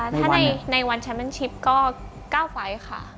ถ้าในวันแชมป์แมนชิปก็เก้าไฟล์ค่ะ